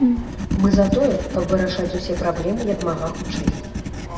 Мы за тое, каб вырашаць усе праблемы як мага хутчэй.